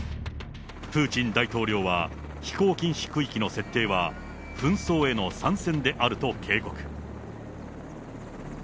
プーチン大統領は飛行禁止区域の設定は、紛争への参戦であると警告。